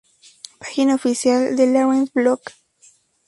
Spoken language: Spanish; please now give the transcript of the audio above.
Página oficial de Lawrence Block